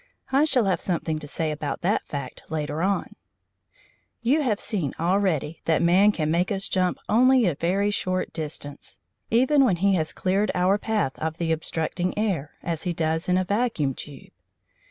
I shall have something to say about that fact later on. You have seen already that man can make us jump only a very short distance, even when he has cleared our path of the obstructing air, as he does in a vacuum tube.